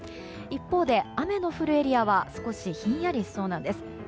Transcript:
一方で雨の降るエリアは少しひんやりしそうなんです。